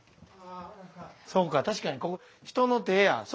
そうか確かにここ人の手や。